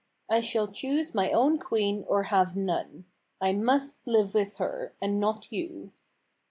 " I shall choose my own queen or have none. I must live with her, and not you."